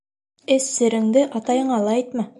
Эс сереңде атайыңа ла әйтмә.